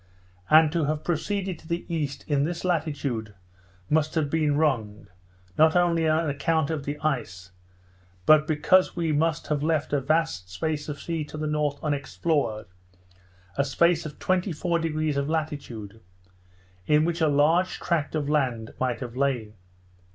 And to have proceeded to the east in this latitude, must have been wrong, not only on account of the ice, but because we must have left a vast space of sea to the north unexplored, a space of 24° of latitude; in which a large tract of land might have lain.